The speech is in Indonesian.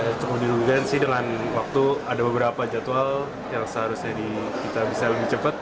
ya cukup dirugikan sih dengan waktu ada beberapa jadwal yang seharusnya kita bisa lebih cepat